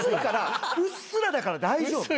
「うっすらだから大丈夫」